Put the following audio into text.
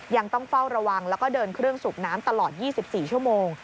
ยังต้องเฝ้าระวังแล้วก็เดินเครื่องสูบน้ำตลอด๒๔ชั่วโมง